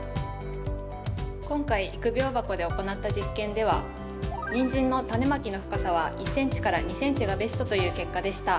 今回育苗箱で行った実験ではニンジンのタネまきの深さは１ｃｍ２ｃｍがベストという結果でした。